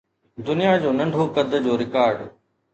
دنيا جو ننڍو قد جو رڪارڊ